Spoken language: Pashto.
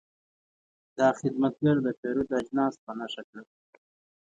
دا خدمتګر د پیرود اجناس په نښه کړل.